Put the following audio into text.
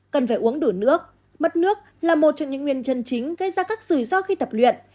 cần phải uống đủ nước mất nước là một trong những nguyên nhân chính gây ra các rủi ro khi tập luyện